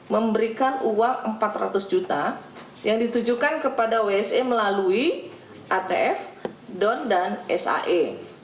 memberikan uang empat ratus juta yang ditujukan kepada wse melalui atf don dan sae